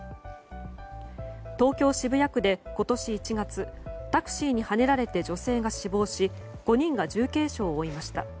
東京・渋谷区で今年１月タクシーにはねられて女性が死亡し５人が重軽傷を負いました。